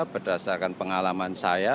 berdasarkan pengalaman saya